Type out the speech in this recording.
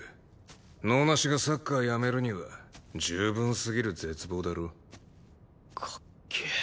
能なしがサッカーやめるには十分すぎる絶望だろ。かっけえ。